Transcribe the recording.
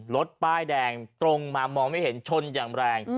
รถป้ายแดงตรงมามองไม่เห็นชนอย่างแรง